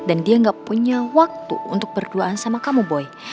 dan dia gak punya waktu untuk berduaan sama kamu boy